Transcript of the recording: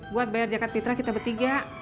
buat bayar jakat fitra kita bertiga